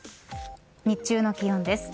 日中の気温です。